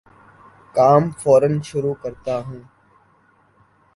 کام فورا شروع کرتا ہوں